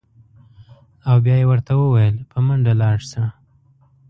او بیا یې ورته ویل: په منډه لاړ شه.